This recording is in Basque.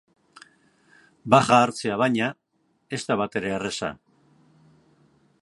Baja hartzea, baina, ez da batere erraza.